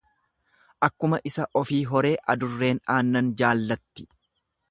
Akka isa ofii horee, adurreen aannan jaallatti.